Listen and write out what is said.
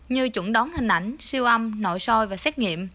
như chuẩn đoán hình ảnh siêu âm nội soi và xét nghiệm